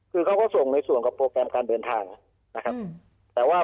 คือเขาก็ส่งในส่วนกับโปรแกรมการเดินทางนะครับ